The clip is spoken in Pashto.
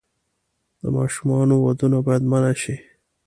د ماشومانو ودونه باید منع شي.